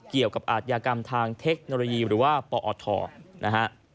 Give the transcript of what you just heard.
เกี่ยวกับอาทยากรรมทางเทคโนโลยีหรือว่าปอธนะฮะ